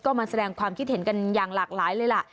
ก็มาแสดงความคิดเห็นกันอย่างหลากหลายเลยล่ะ